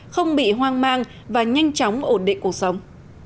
không bị hoang mang và nhanh chóng ổn định cuộc sống